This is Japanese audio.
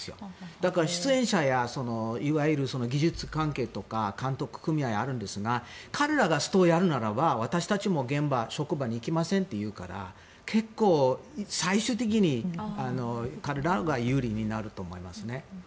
だから、出演者やいわゆる技術関係とか監督組合があるんですが彼らがストをやるなら、私たちも職場に行きませんとなるから結構、最終的に彼らが有利になると思いますね。